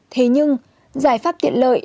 thế nhưng giải pháp tiện lợi